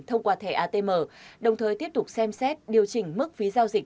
thông qua thẻ atm đồng thời tiếp tục xem xét điều chỉnh mức phí giao dịch